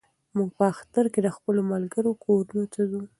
موږ په اختر کې د خپلو ملګرو کورونو ته ځو.